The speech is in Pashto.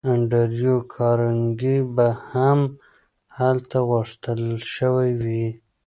انډریو کارنګي به هم هلته غوښتل شوی وي